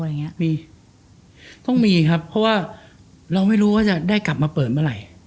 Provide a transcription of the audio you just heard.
อย่างเงี้ยมีต้องมีครับเพราะว่าเราไม่รู้ว่าจะได้กลับมาเปิดเมื่อไหร่